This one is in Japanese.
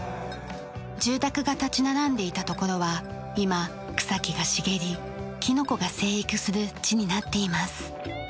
住宅が立ち並んでいた所は今草木が茂りきのこが生育する地になっています。